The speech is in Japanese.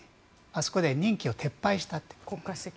あそこで任期を撤廃した。